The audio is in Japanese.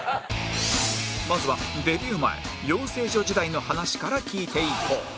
まずはデビュー前養成所時代の話から聞いていこう